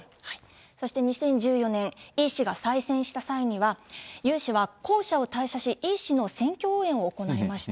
そして２０１４年、イ氏が再選した際には、ユ氏は公社を退社し、イ氏の選挙応援を行いました。